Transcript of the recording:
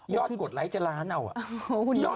กดไลค์จะล้านเอาอ่ะ